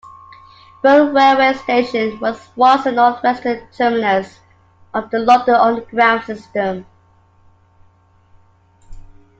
Brill railway station was once a north-western terminus of the London Underground system.